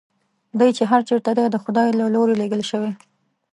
دی چې هر چېرته دی د خدای له لوري لېږل شوی.